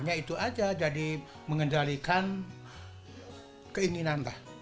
hanya itu aja jadi mengendalikan keinginan lah